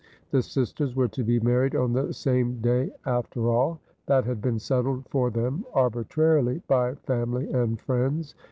The sisters were to be married on the same day, after all. That had been settled for them arbitrarily by family and friends, 262 Asphodel.